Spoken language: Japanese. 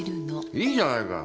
いいじゃないか。